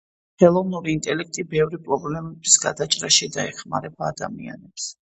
ხელოვნური ინტელექტი ბევრი პრობლემის გადაჭრაში დაეხმარება ადამიანებს